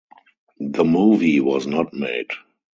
The movie was not made.